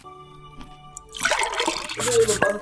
Y con este ánimo depositó en Él su confianza.